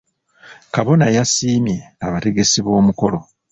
Kabona yasimye abategesi b'omukolo.